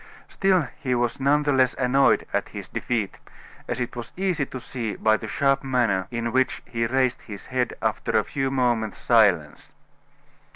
Still he was none the less annoyed at his defeat, as it was easy to see by the sharp manner in which he raised his head after a few moments' silence.